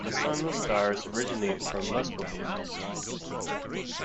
The sun and the stars originate from Muspelheim.